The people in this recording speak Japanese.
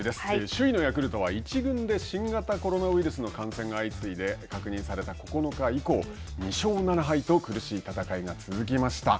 首位のヤクルトは１軍で新型コロナウイルスの感染が相次いで確認された９日以降２勝７敗と苦しい戦いが続きました。